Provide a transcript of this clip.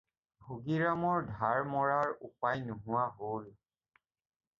ভগীৰামৰ ধাৰ মৰাৰ উপায় নোহোৱা হ'ল।